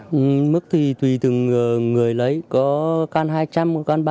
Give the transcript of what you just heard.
và bây giờ các bạn có thể thử xem nếu được trả th daar bán